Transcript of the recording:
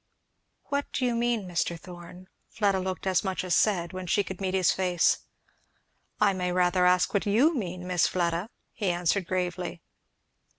"What do you mean, Mr. Thorn?" Fleda looked as much as said, when she could meet his face. "I may rather ask you what you mean, Miss Fleda," he answered gravely.